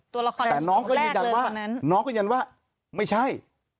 แต่น้องก็ยันว่าน้องก็ยันว่าไม่ใช่